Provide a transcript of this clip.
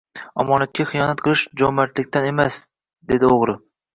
Omonatga xiyonat qilish jo`mardlikdan emas, dedi o`g`ri